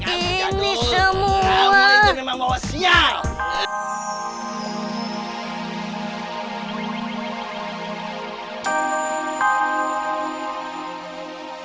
ini semua gara gara kamu ya bu